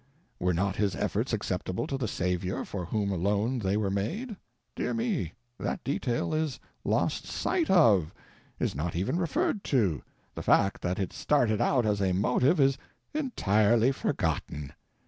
Were not his efforts acceptable to the Savior, for Whom alone they were made? Dear me, that detail is lost sight of, is not even referred to, the fact that it started out as a motive is entirely forgotten!